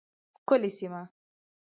ښکلې سیمه